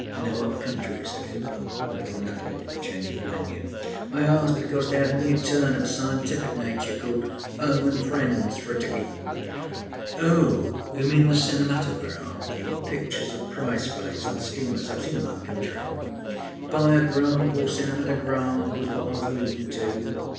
â âNoâup country,â said Hooper, a little nettled at the change of venue. âI ask because they had a new turn of a scientific nature called âHome and Friends for a Tickey.ââ âOh, you mean the cinematographâthe pictures of prize fights and steamers. Iâve seen âem up country.â âBiograph or cinematograph was what I was alludinâ to.